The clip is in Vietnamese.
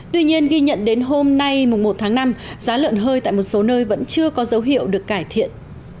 tuy nhiên ghi nhận đến hôm nay một tháng năm giá lợn hơi tại một số nơi vẫn chưa có dấu hiệu được cải thiện